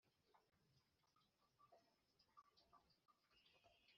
iyo nkuru nziza ziyumvise